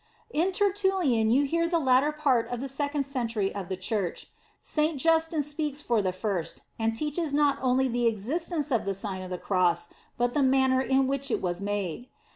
"* In Tertullian you hear the latter part of the second century of the Church. Saint Justin speaks for the first, and teaches not only the existence of the Sign of the Cross, but the manner in which it was made.